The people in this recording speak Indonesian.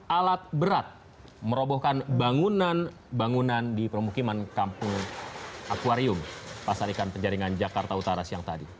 alat berat merobohkan bangunan bangunan di permukiman kampung akwarium pasar ikan penjaringan jakarta utara siang tadi